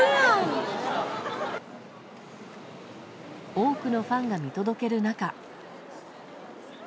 多くのファンが見届ける中。